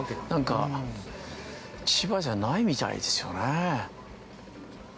千葉じゃないみたいですよね。